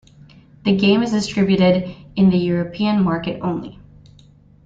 The game is distributed in the European market only.